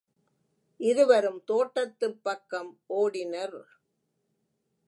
இருவரும் தோட்டத்துப் பக்கம் ஓடினர்.